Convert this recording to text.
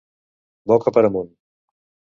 Boca per amunt.